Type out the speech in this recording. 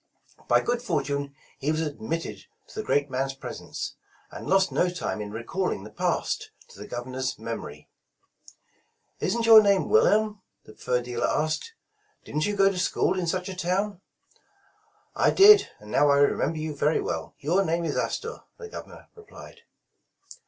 By good fortune he was admitted to the great man's presence, and lost no time in recalling the past to the Governor's memory. Isn't your name Wilhelm ?" the fur dealer asked. '' Didn 't you go to school in such a town ?'' ''I did, and now I remember you very well. Your name is Astor," the Governor replied.